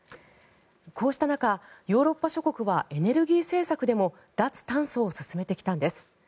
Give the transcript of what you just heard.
こうした中、ヨーロッパ諸国はエネルギー政策でも脱炭素を進めてきたんです。